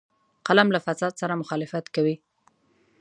قلم له فساد سره مخالفت کوي